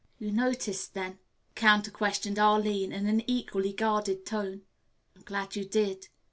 "You noticed, then?" counter questioned Arline in an equally guarded tone. "I'm glad you did.